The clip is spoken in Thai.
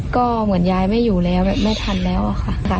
ก็เหมือนยายไม่อยู่แล้วแบบไม่ทันแล้วอะค่ะ